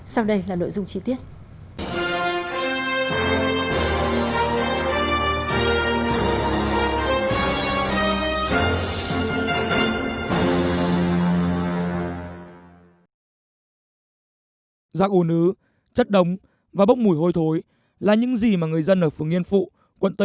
sau đây là nội dung chi tiết